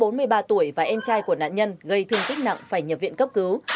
bốn mươi ba tuổi và em trai của nạn nhân gây thương tích nặng phải nhập viện cấp cứu